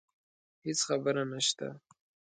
هیڅ خبره نشته